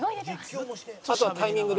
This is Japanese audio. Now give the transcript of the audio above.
あとはタイミングで。